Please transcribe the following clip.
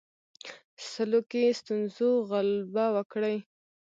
سلوکي ستونزو غلبه وکړي.